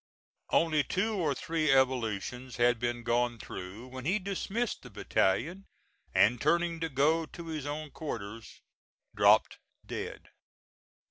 Only two or three evolutions had been gone through when he dismissed the battalion, and, turning to go to his own quarters, dropped dead.